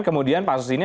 kemudian pansus ini